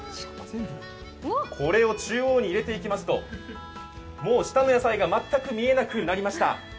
これを中央に入れていきますともう下の野菜が全く見えなくなりました。